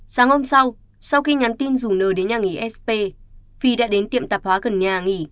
sáng hôm sau sau khi nhắn tin dùng nờ đến nhà nghỉ sp phi đã đến tiệm tạp hóa gần nhà nghỉ